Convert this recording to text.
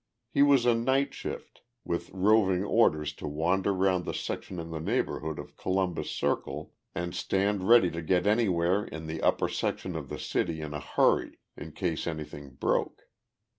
His was a night shift, with roving orders to wander round the section in the neighborhood of Columbus Circle and stand ready to get anywhere in the upper section of the city in a hurry in case anything broke.